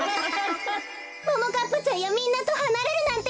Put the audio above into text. ももかっぱちゃんやみんなとはなれるなんていや！